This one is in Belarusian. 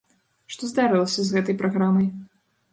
Што здарылася з гэтай праграмай?